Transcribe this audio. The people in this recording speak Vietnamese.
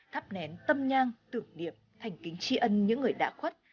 thắp nén tâm nhang tưởng niệm thành kính tri ân những người đã khuất